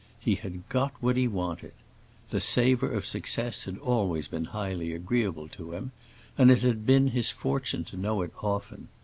He had got what he wanted. The savor of success had always been highly agreeable to him, and it had been his fortune to know it often.